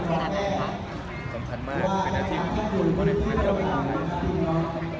สำคัญมากแต่แน็ตที่หลุมคนก็เลยไม่รู้